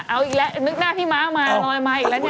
เอาอีกแล้วนึกหน้าพี่ม้ามาลอยมาอีกแล้วเนี่ย